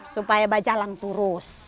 supaya bajalan terus